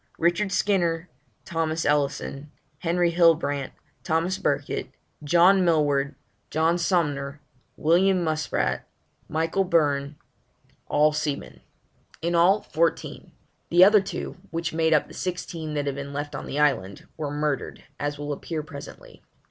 RICHARD SKINNER } THOMAS ELLISON } HENRY HILLBRANT } THOMAS BURKITT } Seamen. JOHN MILLWARD } JOHN SUMNER } WILLIAM MUSPRATT } MICHAEL BYRNE } In all fourteen. The other two, which made up the sixteen that had been left on the island, were murdered, as will appear presently.